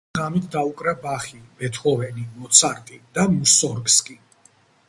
მან ღამით დაუკრა ბახი, ბეთჰოვენი, მოცარტი და მუსორგსკი.